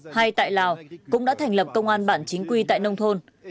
hay tại lào cũng đã thành lập công an bản chính quy tại nông thôn